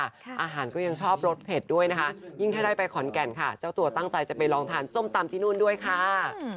อาหารก็ยังชอบรสเผ็ดด้วยนะคะยิ่งถ้าได้ไปขอนแก่นค่ะเจ้าตัวตั้งใจจะไปลองทานส้มตำที่นู่นด้วยค่ะ